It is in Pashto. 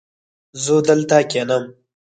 زه دلته کښېنم